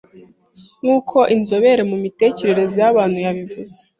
nkuko inzobere mu mitekerereze y’abantu yabivuze.